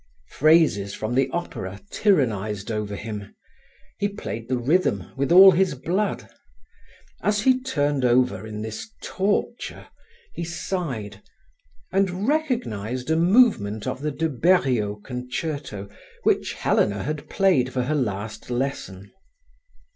Phrases from the opera tyrannized over him; he played the rhythm with all his blood. As he turned over in this torture, he sighed, and recognized a movement of the De Beriot concerto which Helena had played for her last lesson.